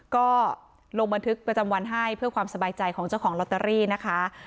ก็ลงบันทึกประจำวันให้เพื่อความสบายใจของเจ้าของลอตเตอรี่นะคะ